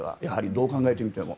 どう考えてみても。